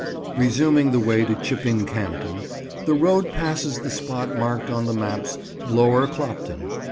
Resuming the way to Chipping Campden, the road passes the spot marked on the maps "Lower Clopton."